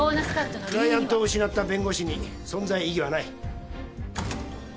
クライアントを失った弁護士に存在意義はない。